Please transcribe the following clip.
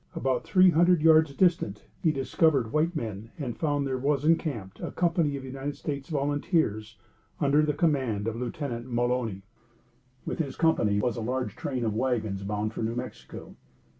About three hundred yards distant he discovered white men, and found there was encamped a company of United States volunteers, under the command of Lieutenant Mulony. With this company was a large train of wagons bound for New Mexico.